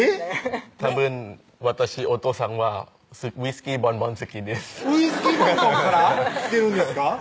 たぶん私お父さんはウイスキーボンボン好きですウイスキーボンボンから来てるんですか？